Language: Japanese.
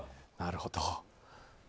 なるほど。